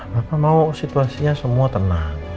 bapak mau situasinya semua tenang